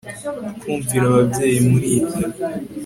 kumvira ababyeyi muri ibyo